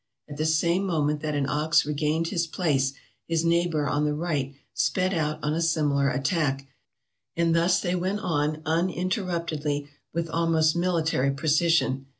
At the same moment that an ox regained his place, his neighbor on the right sped out on a similar attack, and thus they went on uninter ruptedly with almost military precision.